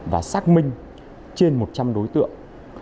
và xác minh trên một trăm linh đối tượng